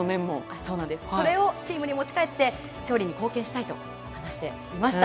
それをチームに持ち帰って勝利に貢献したいと話していました。